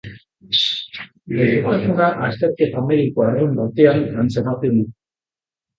Gaixotasuna azterketa mediku arrunt batean atzeman dute.